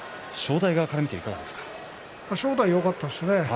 正代よかったですね。